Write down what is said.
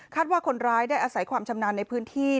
ว่าคนร้ายได้อาศัยความชำนาญในพื้นที่